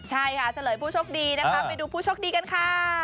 ใช่ครับเฉลยผู้ชกดีไปดูผู้ชกดีกันค่ะ